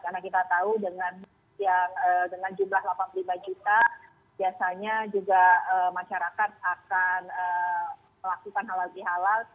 karena kita tahu dengan jumlah delapan puluh lima juta biasanya juga masyarakat akan melakukan halal di halal